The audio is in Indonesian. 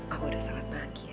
aku udah sangat bahagia